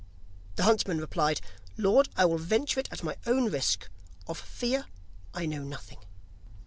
The huntsman replied: 'Lord, I will venture it at my own risk, of fear I know nothing.